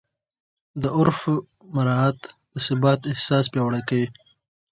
د عرف مراعات د ثبات احساس پیاوړی کوي.